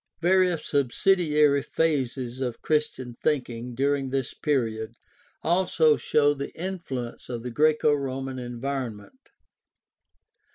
Various subsidiary phases of Christian thinking during this period also show the influence of the Graeco Roman environment.